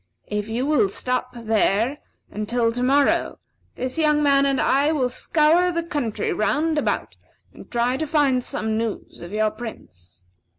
If you will stop there until to morrow, this young man and I will scour the country round about, and try to find some news of your Prince.